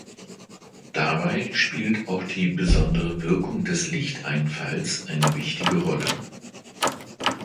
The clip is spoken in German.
Dabei spielt auch die besondere Wirkung des Lichteinfalls eine wichtige Rolle.